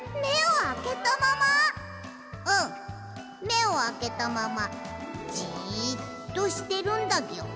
めをあけたままじっとしてるんだギョ。